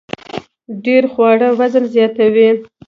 ډیر خواړه وزن زیاتوي